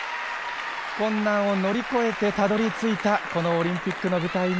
困難を乗り越えてたどり着いたオリンピックの舞台。